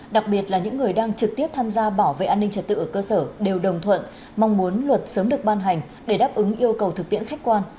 đặc biệt là những người đang trực tiếp tham gia bảo vệ an ninh trật tự ở cơ sở đều đồng thuận mong muốn luật sớm được ban hành để đáp ứng yêu cầu thực tiễn khách quan